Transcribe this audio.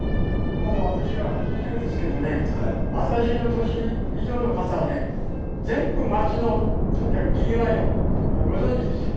もう私は８０ですけどね、私の年以上の方はね、全部街のとにかくにぎわいをご存じですよ。